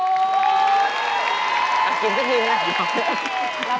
ถูกที่สุด